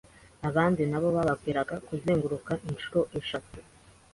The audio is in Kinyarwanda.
Abandi nabo bababwiraga kuzenguruka inshuro eshatu